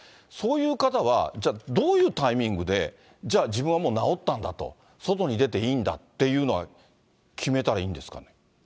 そういう方は、じゃあ、どういうタイミングで、じゃあ、自分はもう治ったんだと、外に出ていいんだっていうのは、決めたらいいんですかね。